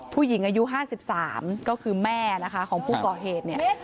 ผู้หญิงอายุ๕๓ก็คือแม่นะคะของผู้ก่อเหตุเนี่ย